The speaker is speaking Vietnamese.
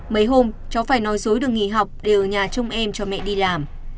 mấy hôm cháu phải nói dối được nghỉ học để ở nhà chung em cho mẹ đi làm